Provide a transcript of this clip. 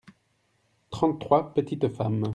trente trois petites femmes.